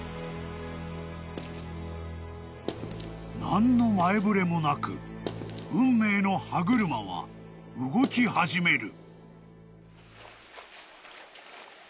［何の前触れもなく運命の歯車は動き始める］